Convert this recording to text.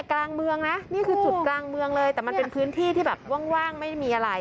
กลางเมืองนะนี่คือจุดกลางเมืองเลยแต่มันเป็นพื้นที่ที่แบบว่างไม่ได้มีอะไร